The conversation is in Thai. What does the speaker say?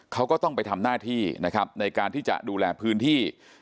เขาก็ต้องไปทำหน้าที่นะครับในการที่จะดูแลพื้นที่